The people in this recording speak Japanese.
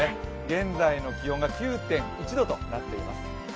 現在の気温が９．１度となっています